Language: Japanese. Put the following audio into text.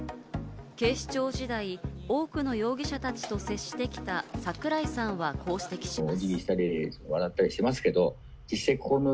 警視庁時代、多くの容疑者たちと接してきた櫻井さんはこう指摘します。